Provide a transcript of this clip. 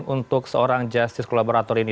untuk seorang justice kolaborator ini